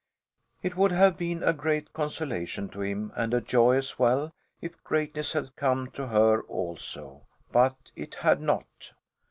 It would have been a great consolation to him, and a joy as well, if greatness had come to her also. But it had not.